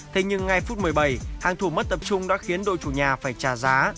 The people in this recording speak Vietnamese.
thế nhưng ngay phút một mươi bảy hàng thủ mất tập trung đã khiến đội chủ nhà phải trả giá